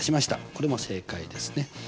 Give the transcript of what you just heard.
これも正解ですね。